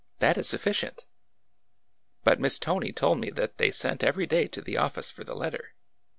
That is sufficient! ' But Miss Tony told me that they sent every day to the office for the letter.